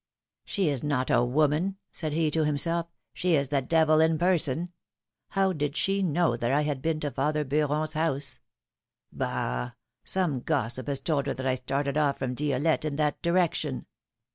^'She is not a woman/^ said he to himself, ^^she is the devil in person ! How did she know that I had been to father Beuron's house? Bah ! some gossip has told her that I started off from Dielette in that direction.